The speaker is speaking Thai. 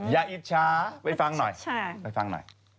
อย่าอิชชาไปฟังหน่อยไปฟังหน่อย